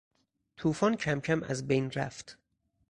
توفان کمکم از بین رفت.